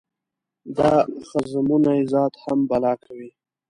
دا ښځمونی ذات هم بلا کوي.